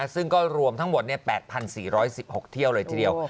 ซึ่งก็รวมทั้งหมด๘๔๑๖เที่ยวเลยทีเดียว